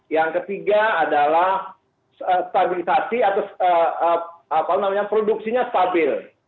yang ketiga adalah stabilisasi atau apa namanya produksinya stabil